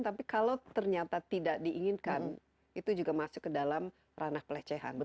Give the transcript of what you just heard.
tapi kalau ternyata tidak diinginkan itu juga masuk ke dalam ranah pelecehan